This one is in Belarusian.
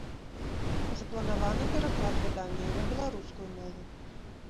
Запланаваны пераклад выдання і на беларускую мову.